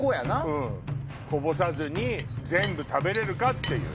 うんこぼさずに全部食べれるかっていう。